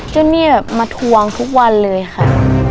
หนี้แบบมาทวงทุกวันเลยค่ะ